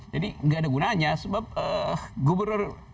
jadi nggak ada gunanya sebab gubernur dki sekarang itu